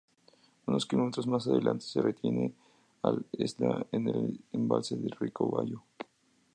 Unos kilómetros más adelante se retiene al Esla en el embalse de Ricobayo.